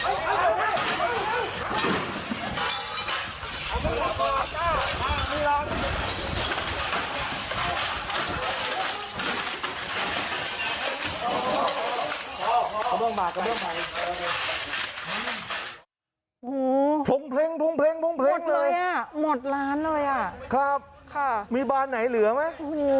โอ้โฮหมดเลยอะหมดล้านเลยอะคับมีบ้านไหนเหลือไหม